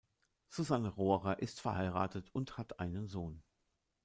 Susanne Rohrer ist verheiratet und hat einen Sohn.